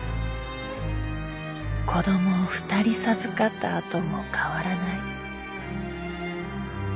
子供を２人授かったあとも変わらない。